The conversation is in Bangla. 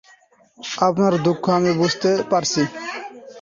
আপনার দুঃখ আমি বুঝতে পারছি।